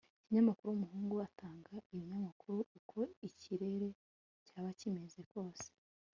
ikinyamakuru umuhungu atanga ibinyamakuru uko ikirere cyaba kimeze kose